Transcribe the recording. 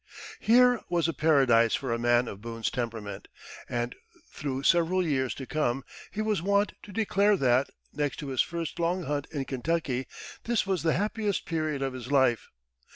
Here was a paradise for a man of Boone's temperament, and through several years to come he was wont to declare that, next to his first long hunt in Kentucky, this was the happiest period of his life.